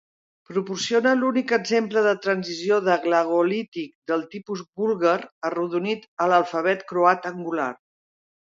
Proporciona l'únic exemple de transició de glagolític del tipus búlgar arrodonit a l'alfabet croat angular.